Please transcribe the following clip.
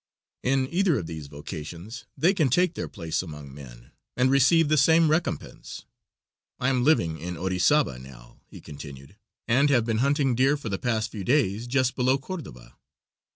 In either of these vocations they can take their place among men and receive the same recompense. "I am living in Orizaba now," he continued, "and have been hunting deer for the past few days just below Cordoba.